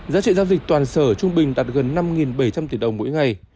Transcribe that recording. giá trị giao dịch toàn sở trung bình đạt gần năm bảy trăm linh tỷ đồng mỗi ngày